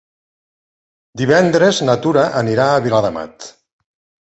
Divendres na Tura anirà a Viladamat.